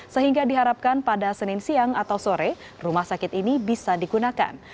sehingga diharapkan pada senin siang atau sore rumah sakit ini bisa digunakan